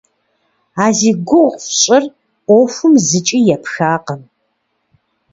А зи гугъу фщӏыр ӏуэхум зыкӏи епхакъым.